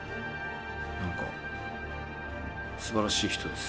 何かすばらしい人です。